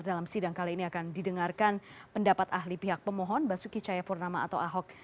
dalam sidang kali ini akan didengarkan pendapat ahli pihak pemohon basuki cayapurnama atau ahok